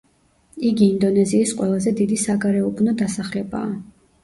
იგი ინდონეზიის ყველაზე დიდი საგარეუბნო დასახლებაა.